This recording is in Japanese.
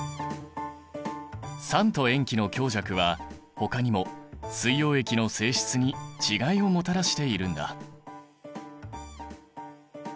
酸と塩基の強弱はほかにも水溶液の性質に違いをもたらしているんだ。